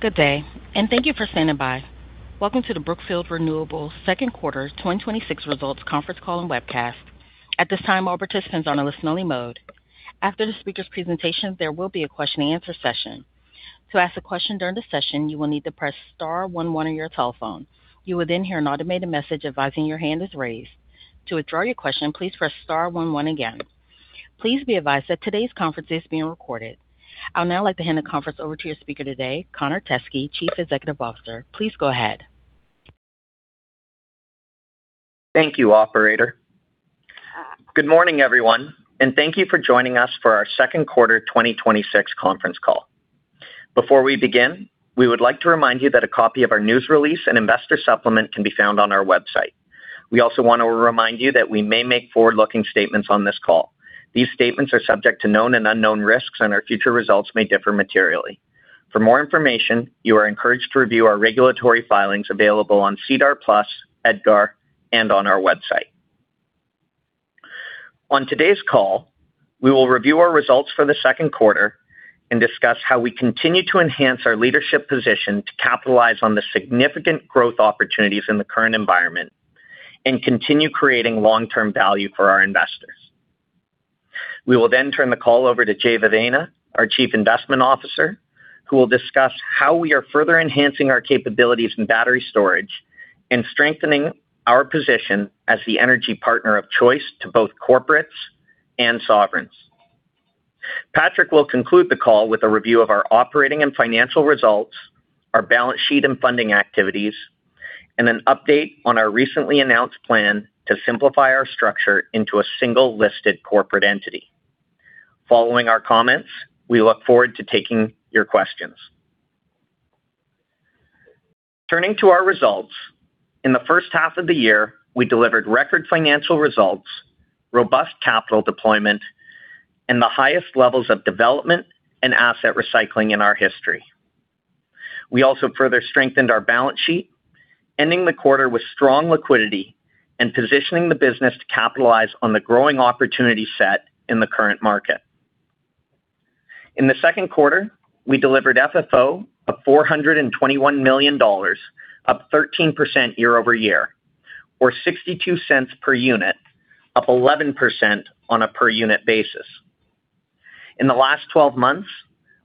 Good day, and thank you for standing by. Welcome to the Brookfield Renewable second quarter 2026 results conference call and webcast. At this time, all participants are in listen-only mode. After the speaker's presentation, there will be a question and answer session. To ask a question during the session, you will need to press star one one on your telephone. You will then hear an automated message advising your hand is raised. To withdraw your question, please press star one one again. Please be advised that today's conference is being recorded. I would now like to hand the conference over to your speaker today, Connor Teskey, Chief Executive Officer. Please go ahead. Thank you, operator. Good morning, everyone, and thank you for joining us for our second quarter 2026 conference call. Before we begin, we would like to remind you that a copy of our news release and investor supplement can be found on our website. We also want to remind you that we may make forward-looking statements on this call. These statements are subject to known and unknown risks, and our future results may differ materially. For more information, you are encouraged to review our regulatory filings available on SEDAR+, EDGAR, and on our website. On today's call, we will review our results for the second quarter and discuss how we continue to enhance our leadership position to capitalize on the significant growth opportunities in the current environment and continue creating long-term value for our investors. We will then turn the call over to Jeh Vevaina, our Chief Investment Officer, who will discuss how we are further enhancing our capabilities in battery storage and strengthening our position as the energy partner of choice to both corporates and sovereigns. Patrick will conclude the call with a review of our operating and financial results, our balance sheet and funding activities, and an update on our recently announced plan to simplify our structure into a single listed corporate entity. Following our comments, we look forward to taking your questions. Turning to our results. In the first half of the year, we delivered record financial results, robust capital deployment, and the highest levels of development and asset recycling in our history. We also further strengthened our balance sheet, ending the quarter with strong liquidity and positioning the business to capitalize on the growing opportunity set in the current market. In the second quarter, we delivered FFO of $421 million, up 13% year-over-year, or $0.62 per unit, up 11% on a per-unit basis. In the last 12 months,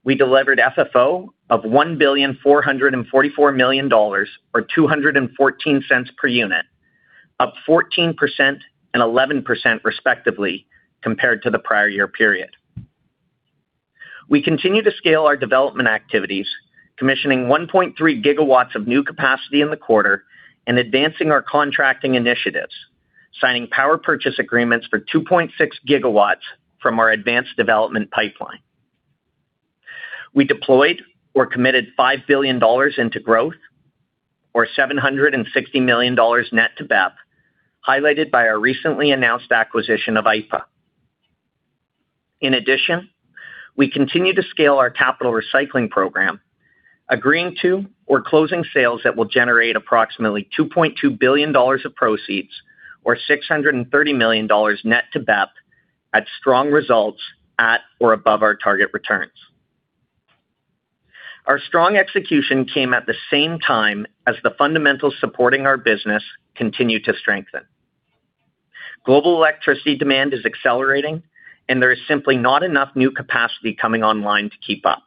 we delivered FFO of $1.444 billion or $2.14 per unit. Up 14% and 11% respectively, compared to the prior year period. We continue to scale our development activities, commissioning 1.3 GW of new capacity in the quarter and advancing our contracting initiatives, signing power purchase agreements for 2.6 GW from our advanced development pipeline. We deployed or committed $5 billion into growth or $760 million net to BEP, highlighted by our recently announced acquisition of Aypa. We continue to scale our capital recycling program, agreeing to or closing sales that will generate approximately $2.2 billion of proceeds or $630 million net to BEP at strong results at or above our target returns. Our strong execution came at the same time as the fundamentals supporting our business continued to strengthen. Global electricity demand is accelerating, there is simply not enough new capacity coming online to keep up.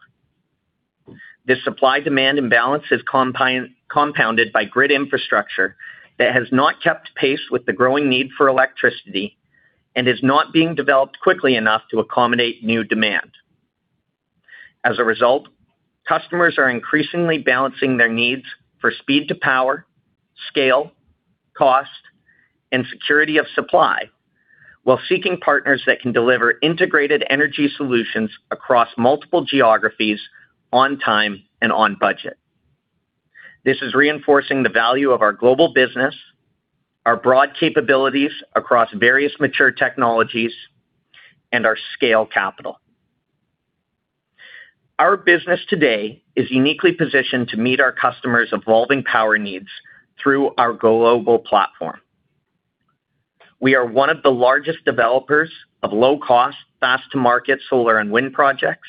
This supply-demand imbalance is compounded by grid infrastructure that has not kept pace with the growing need for electricity and is not being developed quickly enough to accommodate new demand. Customers are increasingly balancing their needs for speed to power, scale, cost, and security of supply while seeking partners that can deliver integrated energy solutions across multiple geographies on time and on budget. This is reinforcing the value of our global business, our broad capabilities across various mature technologies, and our scale capital. Our business today is uniquely positioned to meet our customers' evolving power needs through our global platform. We are one of the largest developers of low-cost, fast-to-market solar and wind projects.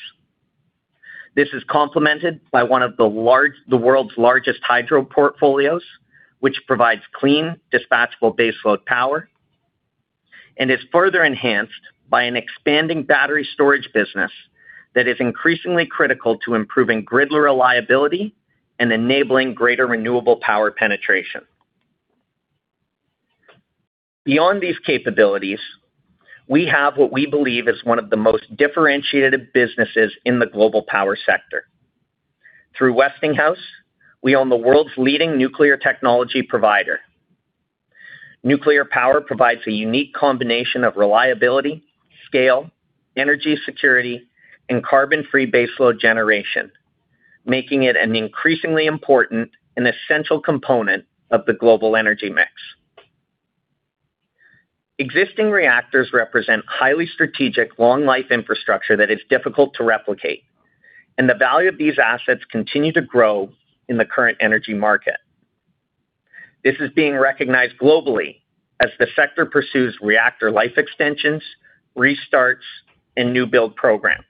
This is complemented by one of the world's largest hydro portfolios, which provides clean, dispatchable baseload power and is further enhanced by an expanding battery storage business that is increasingly critical to improving grid reliability and enabling greater renewable power penetration. Beyond these capabilities, we have what we believe is one of the most differentiated businesses in the global power sector. Through Westinghouse, we own the world's leading nuclear technology provider. Nuclear power provides a unique combination of reliability, scale, energy security, and carbon-free baseload generation, making it an increasingly important and essential component of the global energy mix. Existing reactors represent highly strategic, long-life infrastructure that is difficult to replicate, the value of these assets continue to grow in the current energy market. This is being recognized globally as the sector pursues reactor life extensions, restarts, and new build programs.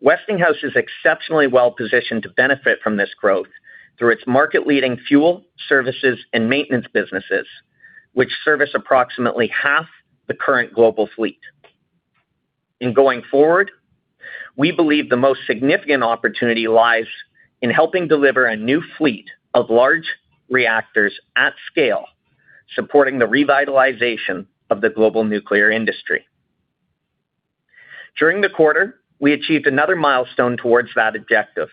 Westinghouse is exceptionally well-positioned to benefit from this growth through its market-leading fuel, services, and maintenance businesses, which service approximately half the current global fleet. Going forward, we believe the most significant opportunity lies in helping deliver a new fleet of large reactors at scale, supporting the revitalization of the global nuclear industry. During the quarter, we achieved another milestone towards that objective.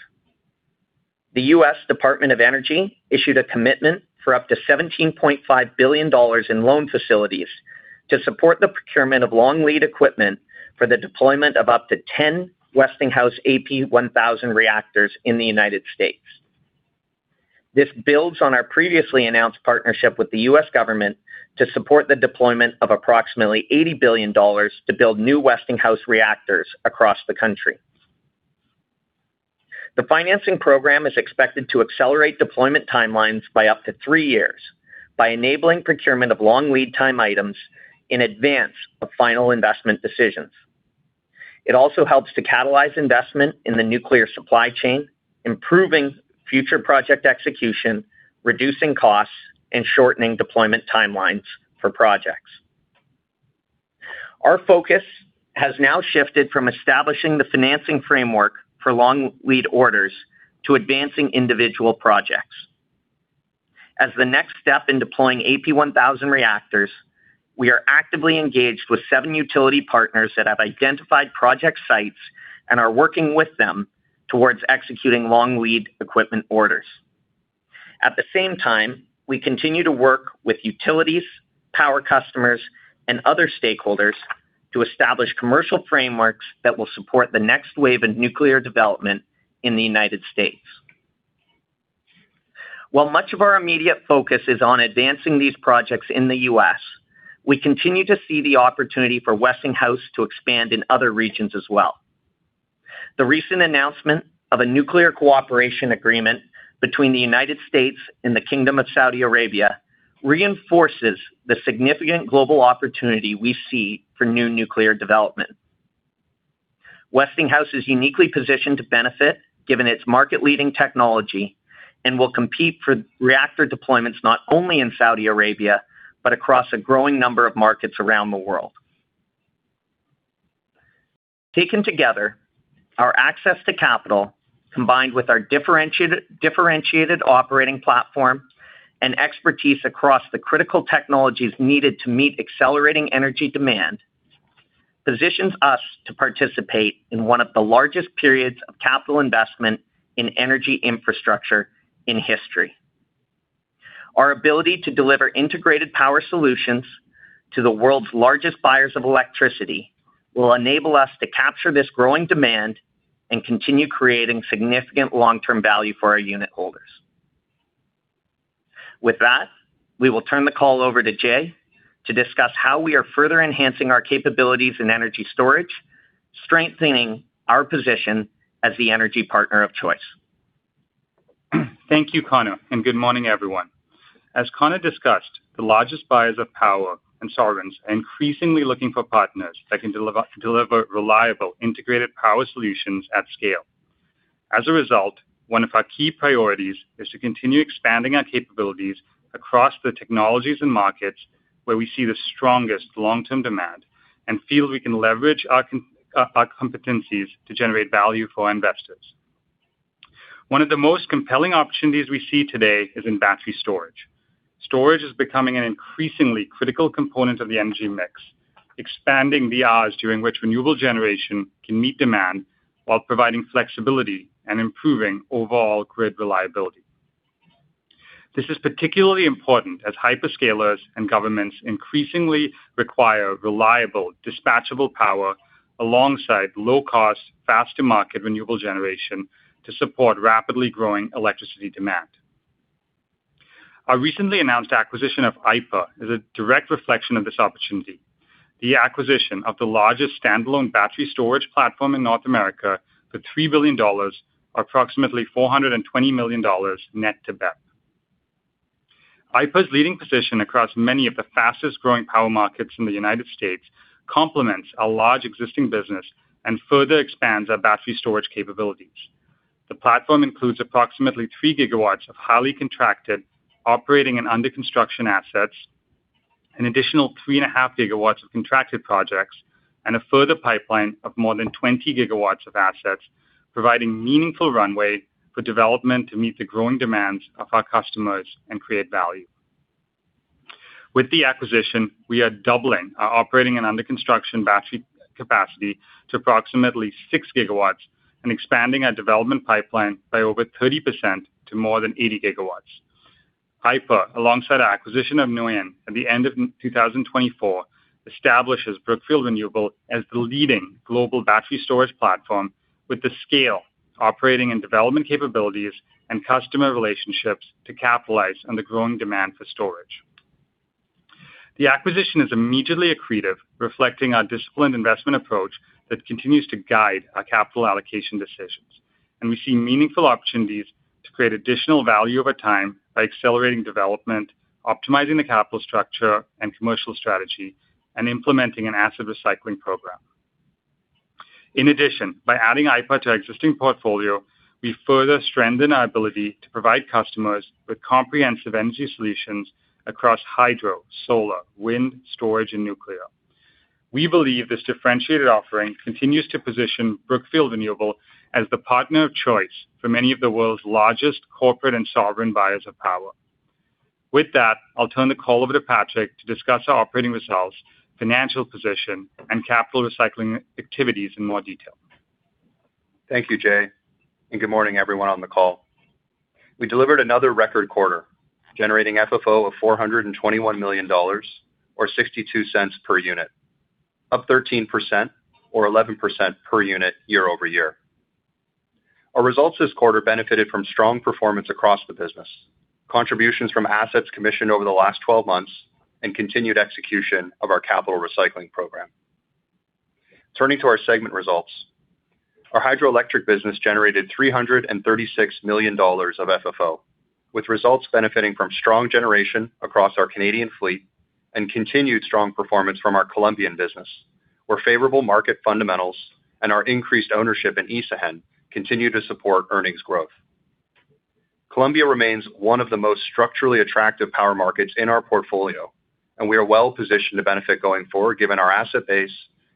The U.S. Department of Energy issued a commitment for up to $17.5 billion in loan facilities to support the procurement of long lead equipment for the deployment of up to 10 Westinghouse AP1000 reactors in the U.S. This builds on our previously announced partnership with the U.S. government to support the deployment of approximately $80 billion to build new Westinghouse reactors across the country. The financing program is expected to accelerate deployment timelines by up to three years by enabling procurement of long lead time items in advance of final investment decisions. It also helps to catalyze investment in the nuclear supply chain, improving future project execution, reducing costs, and shortening deployment timelines for projects. Our focus has now shifted from establishing the financing framework for long lead orders to advancing individual projects. As the next step in deploying AP1000 reactors, we are actively engaged with seven utility partners that have identified project sites and are working with them towards executing long lead equipment orders. At the same time, we continue to work with utilities, power customers, and other stakeholders to establish commercial frameworks that will support the next wave of nuclear development in the U.S. While much of our immediate focus is on advancing these projects in the U.S., we continue to see the opportunity for Westinghouse to expand in other regions as well. The recent announcement of a nuclear cooperation agreement between the U.S. and the Kingdom of Saudi Arabia reinforces the significant global opportunity we see for new nuclear development. Westinghouse is uniquely positioned to benefit given its market-leading technology, and will compete for reactor deployments not only in Saudi Arabia, but across a growing number of markets around the world. Taken together, our access to capital, combined with our differentiated operating platform and expertise across the critical technologies needed to meet accelerating energy demand, positions us to participate in one of the largest periods of capital investment in energy infrastructure in history. Our ability to deliver integrated power solutions to the world's largest buyers of electricity will enable us to capture this growing demand and continue creating significant long-term value for our unit holders. With that, we will turn the call over to Jeh to discuss how we are further enhancing our capabilities in energy storage, strengthening our position as the energy partner of choice. Thank you, Connor, and good morning, everyone. As Connor discussed, the largest buyers of power and sovereigns are increasingly looking for partners that can deliver reliable integrated power solutions at scale. As a result, one of our key priorities is to continue expanding our capabilities across the technologies and markets where we see the strongest long-term demand and feel we can leverage our competencies to generate value for our investors. One of the most compelling opportunities we see today is in battery storage. Storage is becoming an increasingly critical component of the energy mix, expanding the hours during which renewable generation can meet demand while providing flexibility and improving overall grid reliability. This is particularly important as hyperscalers and governments increasingly require reliable, dispatchable power alongside low-cost, fast-to-market renewable generation to support rapidly growing electricity demand. Our recently announced acquisition of Aypa is a direct reflection of this opportunity. The acquisition of the largest standalone battery storage platform in North America for $3 billion, or approximately $420 million net to BEP. Aypa's leading position across many of the fastest-growing power markets in the U.S. complements our large existing business and further expands our battery storage capabilities. The platform includes approximately 3 GW of highly contracted operating and under-construction assets, an additional 3.5 GW of contracted projects, and a further pipeline of more than 20 GW of assets, providing meaningful runway for development to meet the growing demands of our customers and create value. With the acquisition, we are doubling our operating and under-construction battery capacity to approximately 6 GW and expanding our development pipeline by over 30% to more than 80 GW. Aypa, alongside our acquisition of Neoen at the end of 2024, establishes Brookfield Renewable as the leading global battery storage platform, with the scale, operating and development capabilities, and customer relationships to capitalize on the growing demand for storage. The acquisition is immediately accretive, reflecting our disciplined investment approach that continues to guide our capital allocation decisions. We see meaningful opportunities to create additional value over time by accelerating development, optimizing the capital structure and commercial strategy, and implementing an asset recycling program. In addition, by adding Aypa to our existing portfolio, we further strengthen our ability to provide customers with comprehensive energy solutions across hydro, solar, wind, storage, and nuclear. We believe this differentiated offering continues to position Brookfield Renewable as the partner of choice for many of the world's largest corporate and sovereign buyers of power. With that, I'll turn the call over to Patrick to discuss our operating results, financial position, and capital recycling activities in more detail. Thank you, Jeh, and good morning everyone on the call. We delivered another record quarter, generating FFO of $421 million, or $0.62 per unit, up 13% or 11% per unit year-over-year. Our results this quarter benefited from strong performance across the business, contributions from assets commissioned over the last 12 months, and continued execution of our capital recycling program. Turning to our segment results. Our hydroelectric business generated $336 million of FFO, with results benefiting from strong generation across our Canadian fleet and continued strong performance from our Colombian business, where favorable market fundamentals and our increased ownership in Isagen continue to support earnings growth. Colombia remains one of the most structurally attractive power markets in our portfolio, and we are well-positioned to benefit going forward given our asset base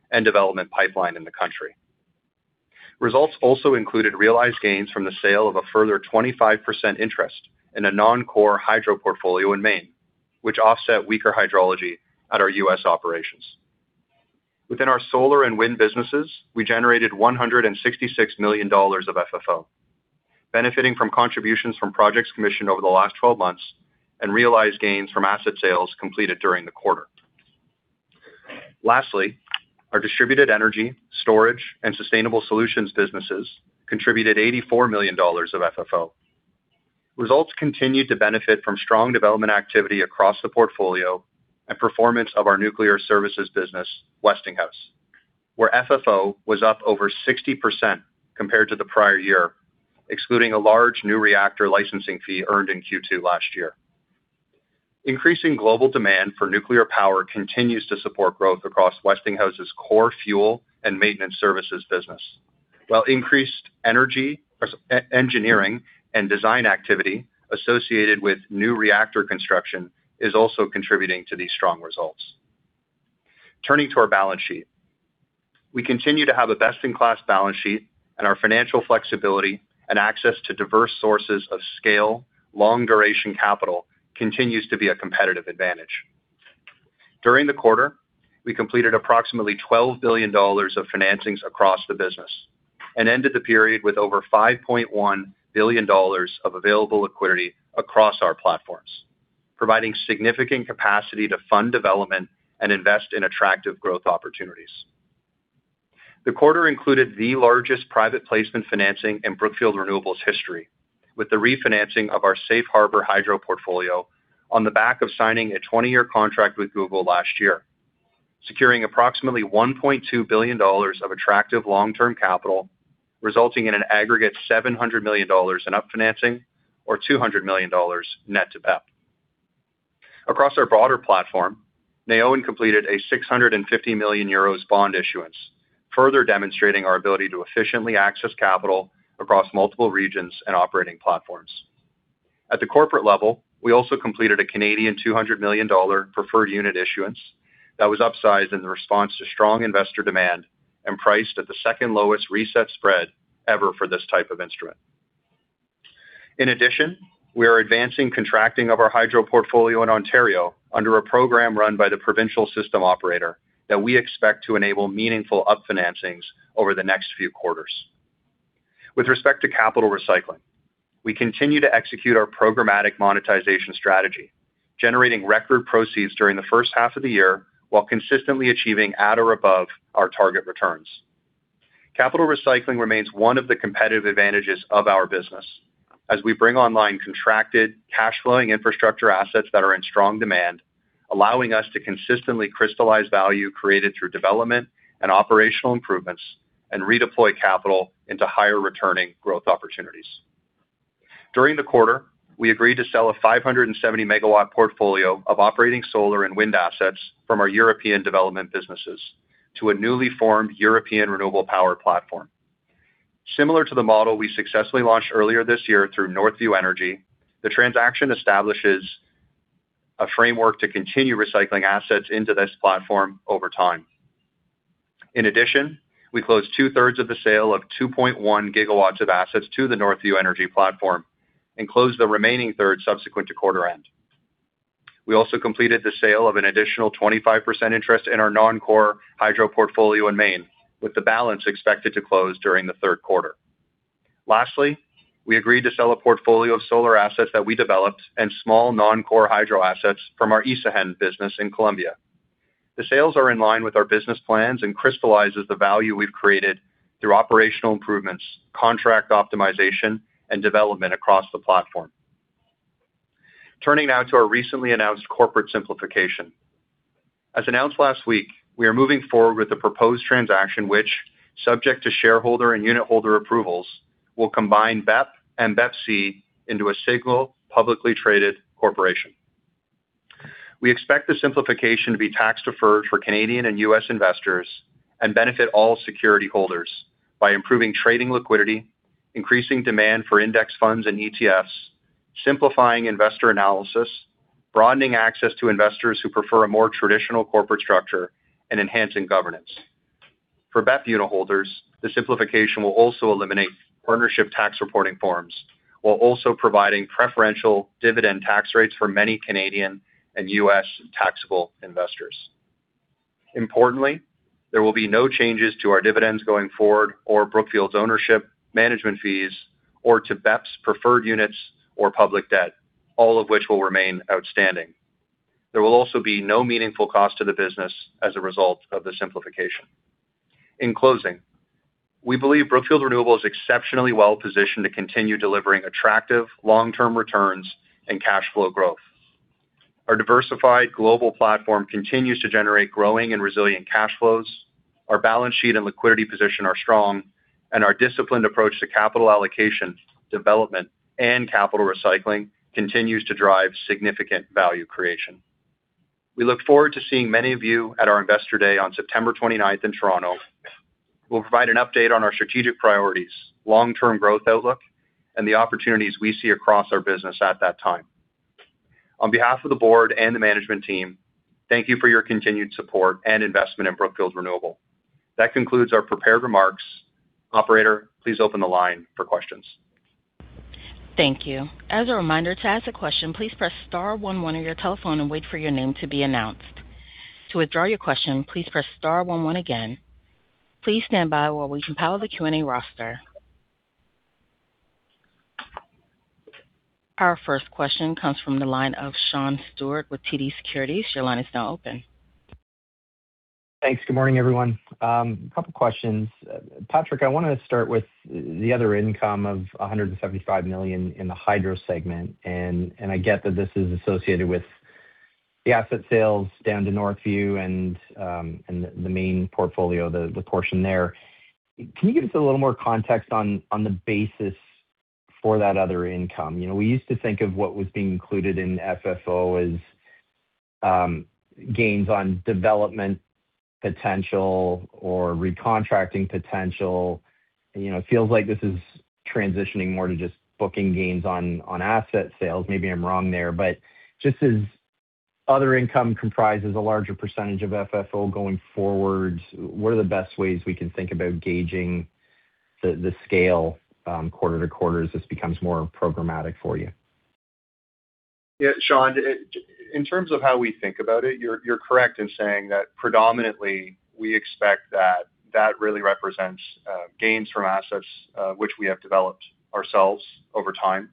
and development pipeline in the country. Results also included realized gains from the sale of a further 25% interest in a non-core hydro portfolio in Maine, which offset weaker hydrology at our U.S. operations. Within our solar and wind businesses, we generated $166 million of FFO, benefiting from contributions from projects commissioned over the last 12 months and realized gains from asset sales completed during the quarter. Lastly, our distributed energy, storage, and sustainable solutions businesses contributed $84 million of FFO. Results continued to benefit from strong development activity across the portfolio and performance of our nuclear services business, Westinghouse, where FFO was up over 60% compared to the prior year, excluding a large new reactor licensing fee earned in Q2 last year. Increasing global demand for nuclear power continues to support growth across Westinghouse's core fuel and maintenance services business, while increased energy, engineering, and design activity associated with new reactor construction is also contributing to these strong results. Turning to our balance sheet. We continue to have a best-in-class balance sheet and our financial flexibility and access to diverse sources of scale, long-duration capital continues to be a competitive advantage. During the quarter, we completed approximately $12 billion of financings across the business and ended the period with over $5.1 billion of available liquidity across our platforms, providing significant capacity to fund development and invest in attractive growth opportunities. The quarter included the largest private placement financing in Brookfield Renewable's history, with the refinancing of our Safe Harbor hydro portfolio on the back of signing a 20-year contract with Google last year, securing approximately $1.2 billion of attractive long-term capital, resulting in an aggregate $700 million in up financing or $200 million net to BEP. Across our broader platform, Neoen completed a 650 million euros bond issuance, further demonstrating our ability to efficiently access capital across multiple regions and operating platforms. At the corporate level, we also completed a 200 million Canadian dollars preferred unit issuance that was upsized in response to strong investor demand and priced at the second lowest reset spread ever for this type of instrument. We are advancing contracting of our hydro portfolio in Ontario under a program run by the provincial system operator that we expect to enable meaningful up financings over the next few quarters. With respect to capital recycling, we continue to execute our programmatic monetization strategy, generating record proceeds during the first half of the year while consistently achieving at or above our target returns. Capital recycling remains one of the competitive advantages of our business as we bring online contracted, cash flowing infrastructure assets that are in strong demand, allowing us to consistently crystallize value created through development and operational improvements and redeploy capital into higher-returning growth opportunities. During the quarter, we agreed to sell a 570-megawatt portfolio of operating solar and wind assets from our European development businesses to a newly formed European renewable power platform. Similar to the model we successfully launched earlier this year through Northview Energy, the transaction establishes a framework to continue recycling assets into this platform over time. We closed two-thirds of the sale of 2.1 GW of assets to the Northview Energy platform and closed the remaining third subsequent to quarter end. We also completed the sale of an additional 25% interest in our non-core hydro portfolio in Maine, with the balance expected to close during the third quarter. We agreed to sell a portfolio of solar assets that we developed and small non-core hydro assets from our Isagen business in Colombia. The sales are in line with our business plans and crystallizes the value we've created through operational improvements, contract optimization, and development across the platform. Turning now to our recently announced corporate simplification. As announced last week, we are moving forward with the proposed transaction, which, subject to shareholder and unitholder approvals, will combine BEP and BEPC into a single publicly traded corporation. We expect the simplification to be tax-deferred for Canadian and U.S. investors and benefit all security holders by improving trading liquidity, increasing demand for index funds and ETFs, simplifying investor analysis, broadening access to investors who prefer a more traditional corporate structure, and enhancing governance. For BEP unitholders, the simplification will also eliminate partnership tax reporting forms while also providing preferential dividend tax rates for many Canadian and U.S. taxable investors. Importantly, there will be no changes to our dividends going forward or Brookfield's ownership, management fees, or to BEP's preferred units or public debt, all of which will remain outstanding. There will also be no meaningful cost to the business as a result of the simplification. In closing, we believe Brookfield Renewable is exceptionally well-positioned to continue delivering attractive long-term returns and cash flow growth. Our diversified global platform continues to generate growing and resilient cash flows. Our balance sheet and liquidity position are strong. Our disciplined approach to capital allocation, development, and capital recycling continues to drive significant value creation. We look forward to seeing many of you at our Investor Day on September 29th in Toronto. We will provide an update on our strategic priorities, long-term growth outlook, and the opportunities we see across our business at that time. On behalf of the board and the management team, thank you for your continued support and investment in Brookfield Renewable. That concludes our prepared remarks. Operator, please open the line for questions. Thank you. As a reminder, to ask a question, please press star one one on your telephone and wait for your name to be announced. To withdraw your question, please press star one one again. Please stand by while we compile the Q&A roster. Our first question comes from the line of Sean Steuart with TD Securities. Your line is now open. Thanks. Good morning, everyone. A couple questions. Patrick, I want to start with the other income of $175 million in the hydro segment. I get that this is associated with the asset sales down to Northview and the main portfolio, the portion there. Can you give us a little more context on the basis for that other income? We used to think of what was being included in FFO as gains on development potential or recontracting potential. It feels like this is transitioning more to just booking gains on asset sales. Maybe I am wrong there. Just as other income comprises a larger percentage of FFO going forward, what are the best ways we can think about gauging the scale quarter-to-quarter as this becomes more programmatic for you? Sean, in terms of how we think about it, you're correct in saying that predominantly, we expect that that really represents gains from assets which we have developed ourselves over time.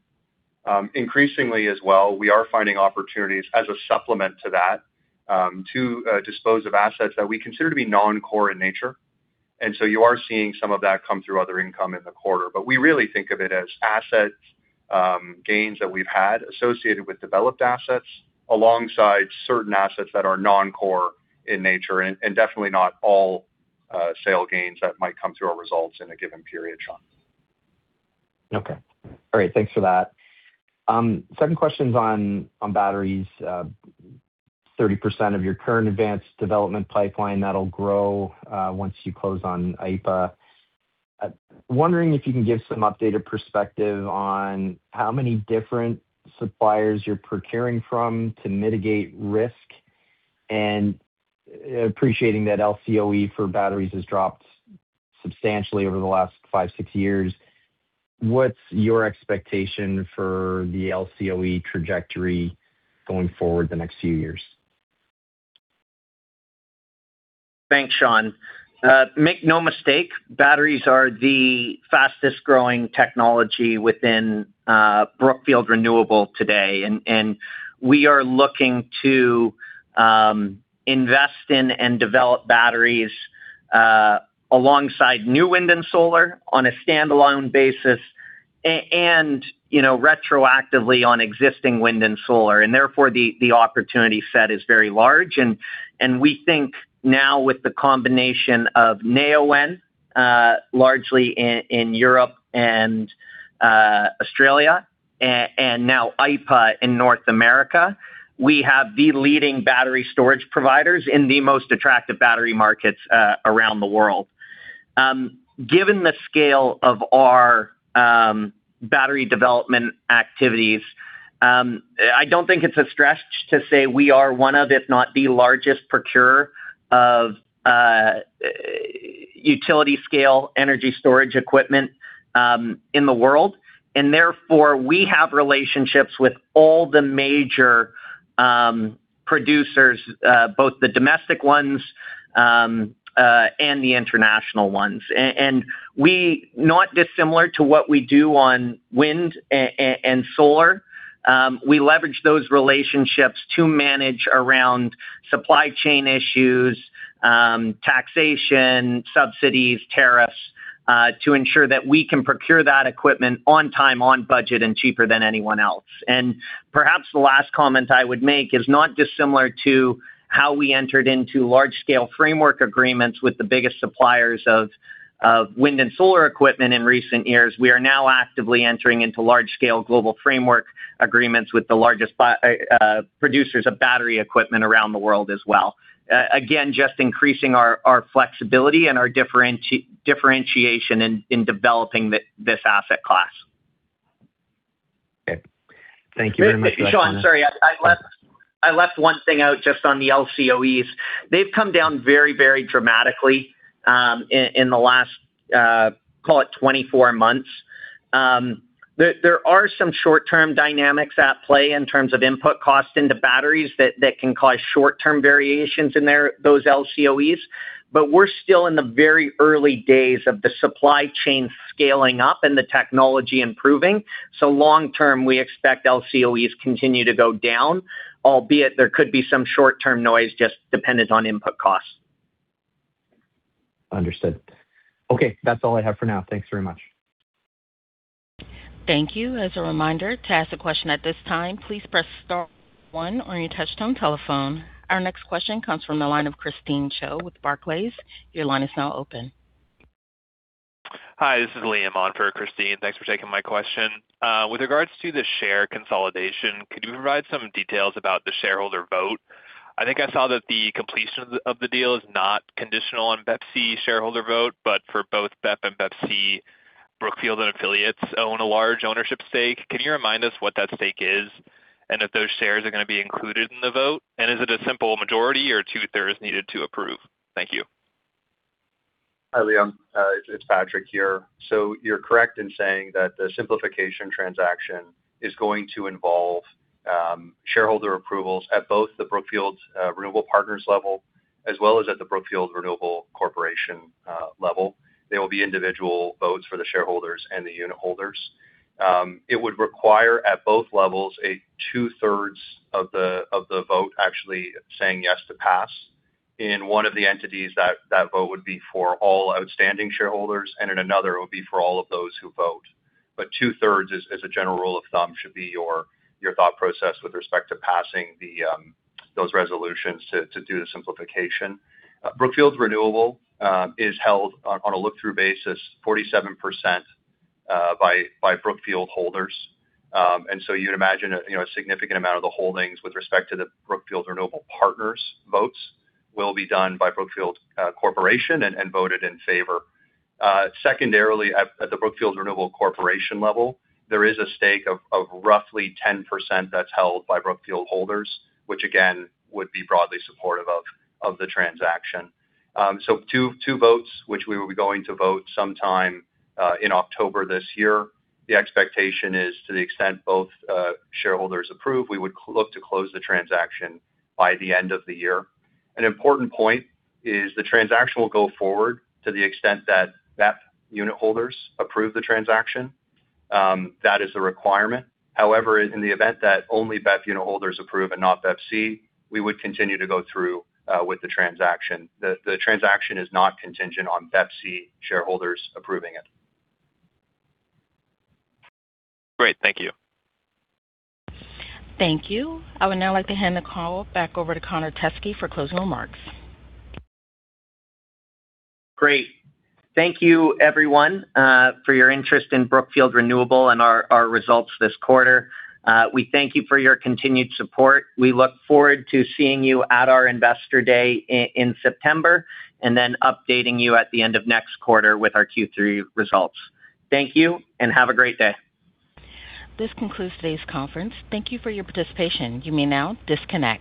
Increasingly as well, we are finding opportunities as a supplement to that to dispose of assets that we consider to be non-core in nature. You are seeing some of that come through other income in the quarter. We really think of it as asset gains that we've had associated with developed assets alongside certain assets that are non-core in nature, definitely not all sale gains that might come through our results in a given period, Sean. Okay. All right. Thanks for that. Second questions on batteries. 30% of your current advanced development pipeline that'll grow once you close on Aypa. Wondering if you can give some updated perspective on how many different suppliers you're procuring from to mitigate risk. Appreciating that LCOE for batteries has dropped substantially over the last five, six years. What's your expectation for the LCOE trajectory going forward the next few years? Thanks, Sean. Make no mistake, batteries are the fastest-growing technology within Brookfield Renewable today, we are looking to invest in and develop batteries alongside new wind and solar on a standalone basis and retroactively on existing wind and solar. Therefore, the opportunity set is very large. We think now with the combination of Neoen, largely in Europe and Australia, and now Aypa in North America, we have the leading battery storage providers in the most attractive battery markets around the world. Given the scale of our battery development activities, I don't think it's a stretch to say we are one of, if not the largest procurer of utility scale energy storage equipment in the world. Therefore, we have relationships with all the major producers, both the domestic ones and the international ones. We, not dissimilar to what we do on wind and solar. We leverage those relationships to manage around supply chain issues, taxation, subsidies, tariffs, to ensure that we can procure that equipment on time, on budget, and cheaper than anyone else. Perhaps the last comment I would make is not dissimilar to how we entered into large-scale framework agreements with the biggest suppliers of wind and solar equipment in recent years. We are now actively entering into large-scale global framework agreements with the largest producers of battery equipment around the world as well. Again, just increasing our flexibility and our differentiation in developing this asset class. Okay. Thank you very much. Sean, sorry. I left one thing out just on the LCOEs. They've come down very dramatically in the last, call it, 24 months. There are some short-term dynamics at play in terms of input costs into batteries that can cause short-term variations in those LCOEs. We're still in the very early days of the supply chain scaling up and the technology improving. Long-term, we expect LCOEs continue to go down, albeit there could be some short-term noise just dependent on input costs. Understood. Okay. That's all I have for now. Thanks very much. Thank you. As a reminder, to ask a question at this time, please press star one on your touch-tone telephone. Our next question comes from the line of Christine Cho with Barclays. Your line is now open. Hi, this is Liam on for Christine. Thanks for taking my question. With regards to the share consolidation, could you provide some details about the shareholder vote? I think I saw that the completion of the deal is not conditional on BEPC shareholder vote, but for both BEP and BEPC, Brookfield and affiliates own a large ownership stake. Can you remind us what that stake is, and if those shares are going to be included in the vote? Is it a simple majority or two-thirds needed to approve? Thank you. Hi, Liam. It's Patrick here. You're correct in saying that the simplification transaction is going to involve shareholder approvals at both the Brookfield Renewable Partners level as well as at the Brookfield Renewable Corporation level. There will be individual votes for the shareholders and the unitholders. It would require, at both levels, a two-thirds of the vote actually saying yes to pass. In one of the entities, that vote would be for all outstanding shareholders, and in another, it would be for all of those who vote. Two-thirds, as a general rule of thumb, should be your thought process with respect to passing those resolutions to do the simplification. Brookfield Renewable is held on a look-through basis, 47% by Brookfield holders. You'd imagine a significant amount of the holdings with respect to the Brookfield Renewable Partners votes will be done by Brookfield Corporation and voted in favor. Secondarily, at the Brookfield Renewable Corporation level, there is a stake of roughly 10% that's held by Brookfield holders, which again, would be broadly supportive of the transaction. 2 votes, which we will be going to vote sometime in October this year. The expectation is to the extent both shareholders approve, we would look to close the transaction by the end of the year. An important point is the transaction will go forward to the extent that BEP unitholders approve the transaction. That is a requirement. However, in the event that only BEP unitholders approve and not BEPC, we would continue to go through with the transaction. The transaction is not contingent on BEPC shareholders approving it. Great. Thank you. Thank you. I would now like to hand the call back over to Connor Teskey for closing remarks. Great. Thank you everyone for your interest in Brookfield Renewable and our results this quarter. We thank you for your continued support. We look forward to seeing you at our Investor Day in September, and then updating you at the end of next quarter with our Q3 results. Thank you and have a great day. This concludes today's conference. Thank you for your participation. You may now disconnect.